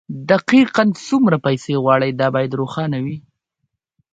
دقيقاً څومره پيسې غواړئ دا بايد روښانه وي.